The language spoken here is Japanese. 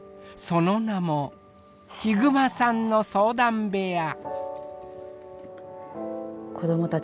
その名もひぐまさんの相談部屋。